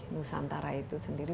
nusantara itu sendiri